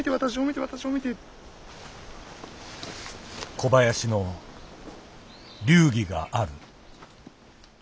小林の流儀がある。